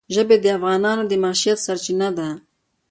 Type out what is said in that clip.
ژبې د افغانانو د معیشت سرچینه ده.